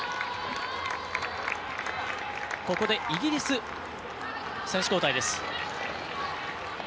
ここでイギリス選手交代です。